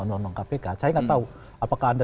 undang undang kpk saya nggak tahu apakah anda